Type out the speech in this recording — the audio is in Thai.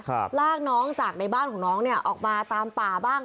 ลากน้องจากในบ้านของน้องเนี้ยออกมาตามป่าบ้าง